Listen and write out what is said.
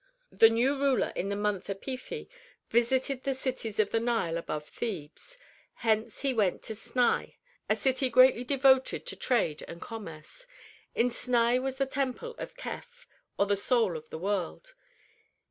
The new ruler in the month Epifi visited the cities of the Nile above Thebes. Hence he went to Sni, a city greatly devoted to trade and commerce. In Sni was the temple of Keph, or the "Soul of the World."